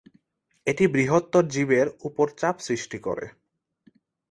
এটি বৃহত্তর জীবের উপর চাপ সৃষ্টি করে।